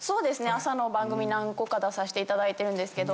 朝の番組何個か出させていただいてるんですけど。